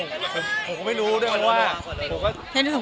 คนลงไปสร้างอัลบั้มแล้ว